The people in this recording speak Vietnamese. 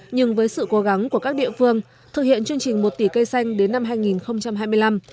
nhưng với sự cố gắng của các địa phương thực hiện chương trình một tỷ cây xanh đến năm hai nghìn hai mươi năm